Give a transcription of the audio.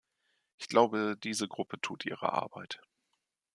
Ich glaube, diese Gruppe tut ihre Arbeit.